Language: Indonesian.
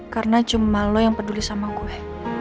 karena cuma lo yang peduli sama gue